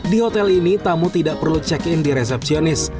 di hotel ini tamu tidak perlu check in di resepsionis